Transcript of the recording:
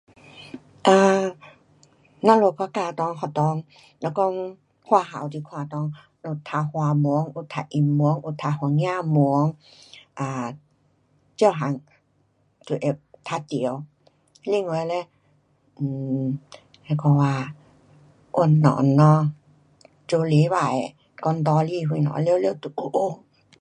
啊，咱们国家内学堂若讲华校你看内都读华文，有读英文，有读番呀文，啊，每样都会读到。另外嘞，um 那个啊运动咯，做礼拜的讲道理什么全部都有。